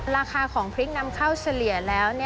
ราคาของพริกนำเข้าเฉลี่ยแล้ว